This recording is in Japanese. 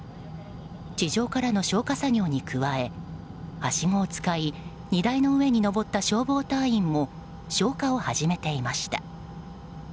地上からの消火作業に加えはしごを使い荷台の上に上った消防隊員も消火を始めていました。